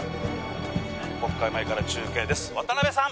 国会前から中継です渡部さん